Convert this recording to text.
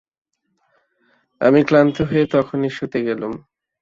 আমি ক্লান্ত হয়ে তখনি শুতে গেলুম।